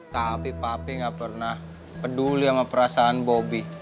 tapi papi gak pernah peduli sama perasaan bobi